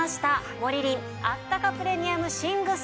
モリリンあったかプレミアム寝具セット。